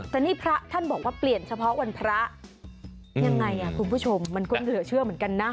แต่นี่พระท่านบอกว่าเปลี่ยนเฉพาะวันพระยังไงคุณผู้ชมมันก็เหลือเชื่อเหมือนกันนะ